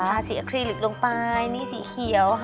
ทาสีอัครีลิกลงไปนี่สีเขียวค่ะ